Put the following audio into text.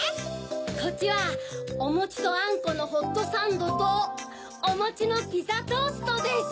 こっちはおもちとあんこのホットサンドとおもちのピザトーストです！